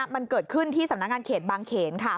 มันเกิดขึ้นที่สำนักงานเขตบางเขนค่ะ